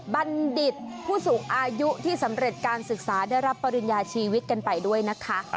บัณฑิตผู้สูงอายุที่สำเร็จการศึกษาได้รับปริญญาชีวิตกันไปด้วยนะคะ